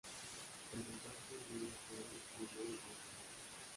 El montaje de un "home studio" es muy sencillo.